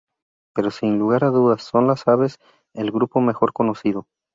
Pero, sin lugar a dudas, son las aves el grupo mejor conocido.